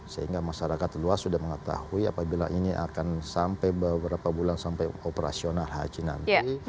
sehingga masyarakat luas sudah mengetahui apabila ini akan sampai beberapa bulan sampai operasional haji nanti